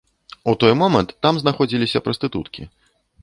У той момант там знаходзіліся прастытуткі.